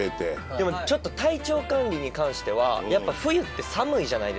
でもちょっと体調管理に関してはやっぱ冬って寒いじゃないですか。